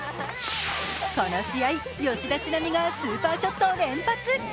この試合、吉田知那美がスーパーショット連発。